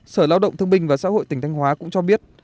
sở lao động thương binh và xã hội tỉnh thanh hóa cũng cho biết